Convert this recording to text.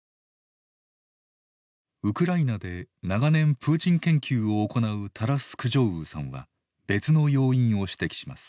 ウクライナで長年プーチン研究を行うタラス・クジョウーさんは別の要因を指摘します。